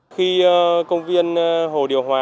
khi công viên hồ điều hòa